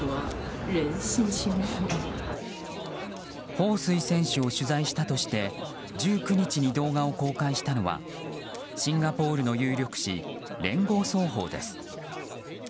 ホウ・スイ選手を取材したとして１９日に動画を公開したのはシンガポールの有力紙聯合早報です。